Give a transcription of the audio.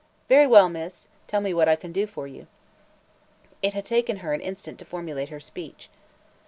"Very well, miss; tell me what I can do for you." It had only taken her an instant to formulate her speech.